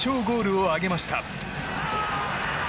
ゴールを挙げました。